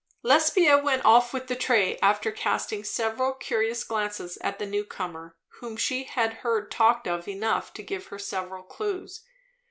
Lesbia went off with the tray, after casting several curious glances at the new comer, whom she had heard talked of enough to give her several clues.